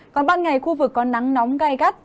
còn ban ngày khu vực có nắng nóng gai gắt